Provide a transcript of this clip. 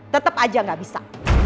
tetep aja gak bisa